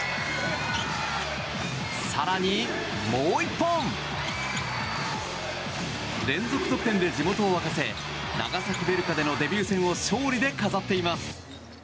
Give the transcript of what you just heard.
更に、もう１本！連続得点で地元を沸かせ長崎ヴェルカでのデビュー戦を勝利で飾っています。